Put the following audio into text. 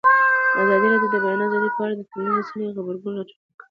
ازادي راډیو د د بیان آزادي په اړه د ټولنیزو رسنیو غبرګونونه راټول کړي.